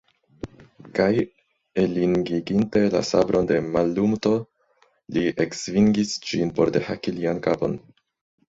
Kaj, elingiginte la sabron de Maluto, li eksvingis ĝin por dehaki lian kapon.